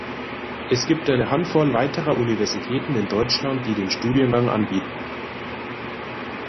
Es gibt eine Handvoll weiterer Universitäten in Deutschland, die den Studiengang anbieten.